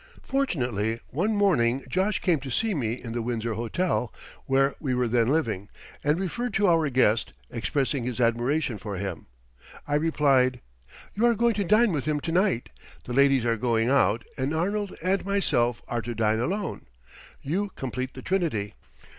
Fortunately one morning Josh came to see me in the Windsor Hotel, where we were then living, and referred to our guest, expressing his admiration for him. I replied: "You are going to dine with him to night. The ladies are going out and Arnold and myself are to dine alone; you complete the trinity."